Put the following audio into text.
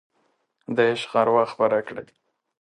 د عشق اروا خپره کړئ